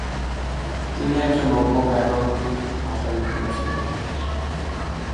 তিনি একজন নব্যব্যাকরণবিদ ভাষাবিজ্ঞানীও ছিলেন।